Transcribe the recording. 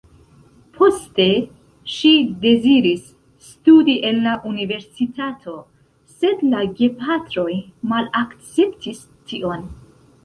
Poste ŝi deziris studi en la universitato, sed la gepatroj malakceptis tion.